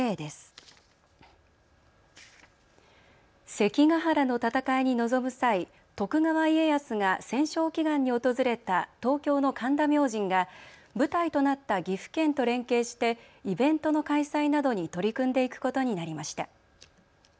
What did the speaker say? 関ヶ原の戦いに臨む際、徳川家康が戦勝祈願に訪れた東京の神田明神が舞台となった岐阜県と連携してイベントの開催などに取り組んでいくことになりました。